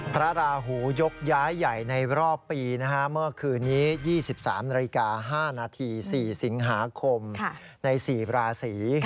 พระราหูยกย้ายใหญ่ในรอบปีเมื่อคืนนี้๒๓นาฬิกา๕นาที๔สิงหาคมใน๔ราศี